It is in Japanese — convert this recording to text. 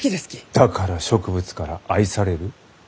だから植物から愛される？